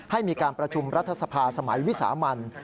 ให้มีการประชุมรัฐสภาสมัยวิสามัน